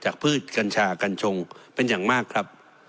พืชกัญชากัญชงเป็นอย่างมากครับ